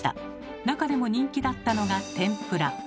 なかでも人気だったのが天ぷら。